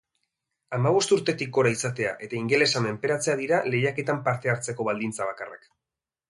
Hamabost urtetik gora izatea eta ingelesa menperatzea dira lehiaketan parte hartzeko baldintza bakarrak.